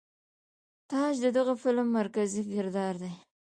تاج د دغه فلم مرکزي کردار دے.